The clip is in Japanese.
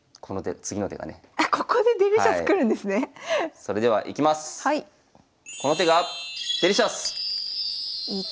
それではいきます！